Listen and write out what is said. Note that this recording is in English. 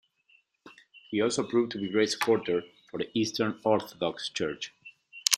He also proved to be a great supporter for the Eastern Orthodox Church.